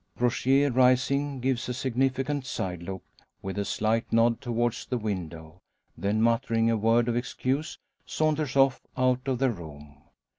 Rogier, rising, gives a significant side look, with a slight nod towards the window; then muttering a word of excuse saunters off out of the room.